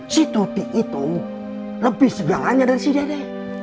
si tuti itu lebih segalanya dari si dede